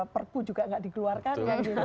perpu juga gak dikeluarkan